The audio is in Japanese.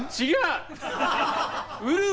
違う！